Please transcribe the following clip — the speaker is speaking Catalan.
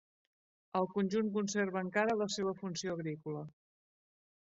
El conjunt conserva encara la seva funció agrícola.